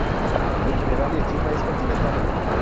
En general, el clima es continental.